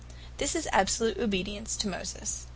This is absolute obedience to Moses.